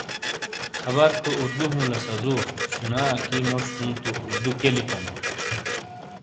خبر تو اردو ہُوں لا سَزُوو، شینا اکی موش ہُوں تو اردو کِئیے لِکھون؟